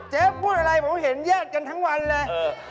พูดอะไรผมเห็นแยกกันทั้งวันเลย